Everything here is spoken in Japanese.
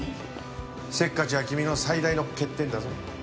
せっかちは君の最大の欠点だぞ。